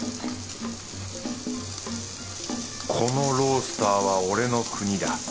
このロースターは俺の国だ。